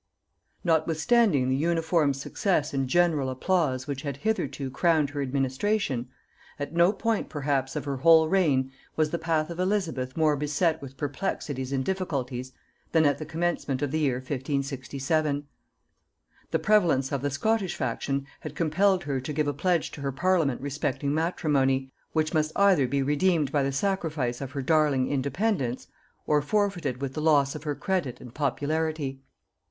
Notwithstanding the uniform success and general applause which had hitherto crowned her administration, at no point perhaps of her whole reign was the path of Elizabeth more beset with perplexities and difficulties than at the commencement of the year 1567. The prevalence of the Scottish faction had compelled her to give a pledge to her parliament respecting matrimony, which must either be redeemed by the sacrifice of her darling independence, or forfeited with the loss of her credit and popularity.